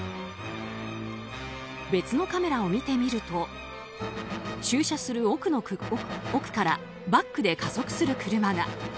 別のカメラを見てみると駐車する奥からバックで加速する車が。